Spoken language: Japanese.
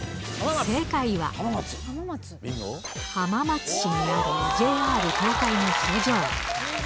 正解は、浜松市にあるＪＲ東海の工場。